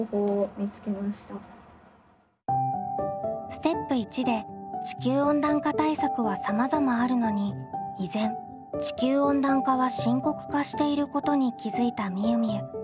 ステップ①で地球温暖化対策はさまざまあるのに依然地球温暖化は深刻化していることに気付いたみゆみゆ。